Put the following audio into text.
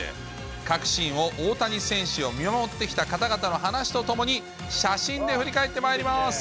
各シーンを大谷選手を見守ってきた方々の話と共に、写真で振り返ってまいります。